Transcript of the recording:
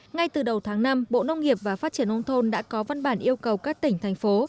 ngay từ đầu tháng năm bộ nông nghiệp và phát triển nông thôn đã có văn bản yêu cầu các tỉnh thành phố